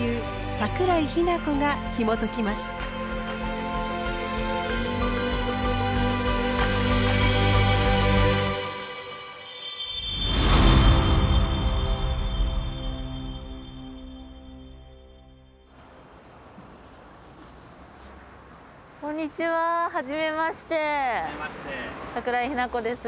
桜井日奈子です。